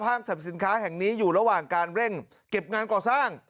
สรรพสินค้าแห่งนี้อยู่ระหว่างการเร่งเก็บงานก่อสร้าง